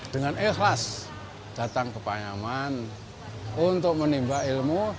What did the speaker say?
dengan ikhlas datang ke payaman untuk menimba ilmu